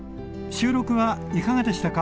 収録はいかがでしたか？